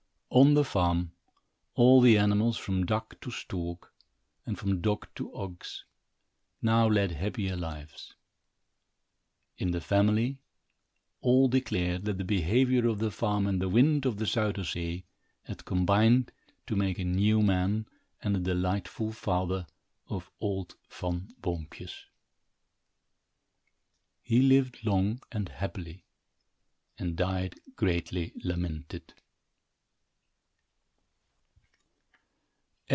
On the farm, all the animals, from duck to stork, and from dog to ox, now led happier lives. In the family, all declared that the behavior of the farm and the wind of the Zuyder Zee had combined to make a new man and a delightful father of old Van Boompjes. He lived long and happily and died greatly lamented.